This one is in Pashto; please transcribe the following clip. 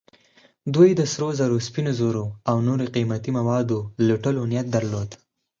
دوی د سرو زرو، سپینو زرو او نورو قیمتي موادو لوټلو نیت درلود.